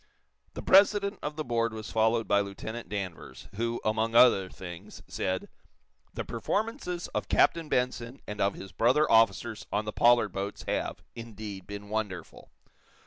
The president of the board was followed by Lieutenant Danvers, who, among other things said: "The performances of Captain Benson and of his brother officers on the Pollard boats have, indeed, been wonderful.